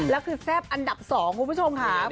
แล้วคือแซ่บอันดับ๒คุณผู้ชมค่ะ